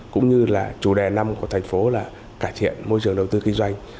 cũng như là chủ đề năm của thành phố là cải thiện môi trường đầu tư kinh doanh